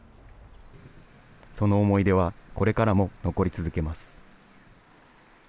その思い出はこれからも残り続けます。